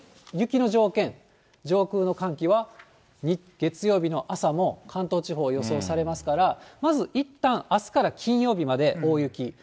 雪の条件、上空の寒気は月曜日の朝も関東地方、予想されますから、まず、いったん、あすから金曜日まで大雪。